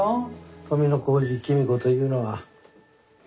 富小路公子というのは。